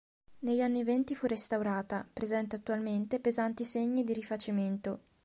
Negli anni venti fu restaurata, presenta attualmente pesanti segni di rifacimento.